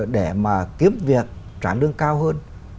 để mà kiếm việc trả lương cao hơn